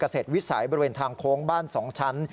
เกษตรวิสัยบริเวณทางโค้งบ้าน๒ชั้น